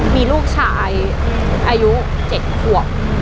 มีลูกชายอายุ๗ขวบ